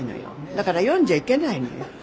だから読んじゃいけないのよ。